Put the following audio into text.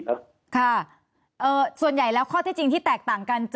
ค่ะส่วนใหญ่แล้วข้อที่จริงที่แตกต่างกัน